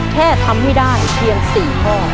แค่ทำให้ได้เพียง๔ข้อ